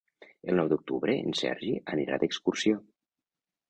El nou d'octubre en Sergi anirà d'excursió.